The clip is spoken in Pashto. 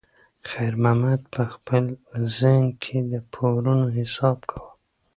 خیر محمد په خپل ذهن کې د پورونو حساب کاوه.